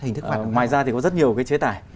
ngoài ra thì có rất nhiều chế tài